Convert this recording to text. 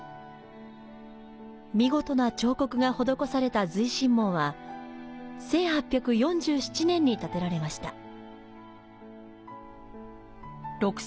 見事な彫刻が施された随神門は、１８４７年に建てられました。